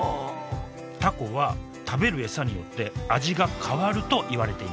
タコは食べる餌によって味が変わるといわれています。